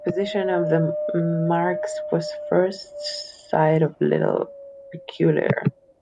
The position of the marks was at first sight a little peculiar.